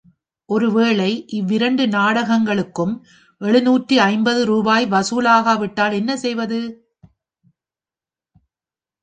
ஒருவேளை இவ்விரண்டு நாடகங்களுக்கும் எழுநூற்று ஐம்பது ரூபாய் வசூலாகாவிட்டால் என்ன செய்வது?